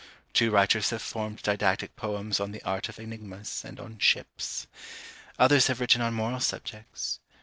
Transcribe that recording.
Two writers have formed didactic poems on the Art of Enigmas, and on Ships. Others have written on moral subjects.